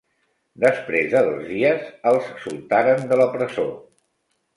Després de dos dies, els soltaren de la presó.